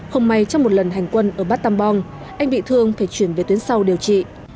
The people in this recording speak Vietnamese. hôm nay trong một lần hành quân ở bát tâm bong anh bị thương phải chuyển về tuyến sau điều trị